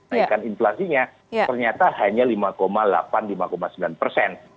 kenaikan inflasinya ternyata hanya lima delapan lima sembilan persen